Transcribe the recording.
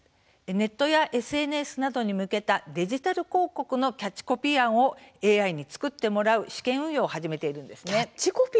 ネットやＳＮＳなどに向けたデジタル広告のキャッチコピー案をＡＩに作ってもらう試験運用を始めています。